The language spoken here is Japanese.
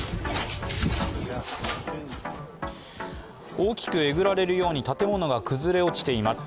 大きくえぐられるように建物が崩れ落ちています。